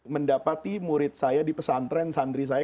mendapati murid saya di pesantren santri saya